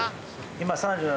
今３７